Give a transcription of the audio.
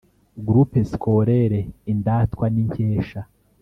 Groupe scolaire indatwa n inkesha